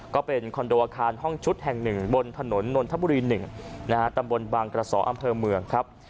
ก็เป็นคอนโดอาคารห้องชุดแห่ง๑บนถนนนนทบุรี๑ตำบลบางกระสออำเภอเมืองครับ